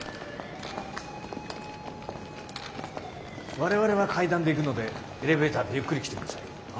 我々は階段で行くのでエレベーターでゆっくり来て下さい。